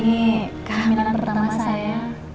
ini kehamilan pertama saya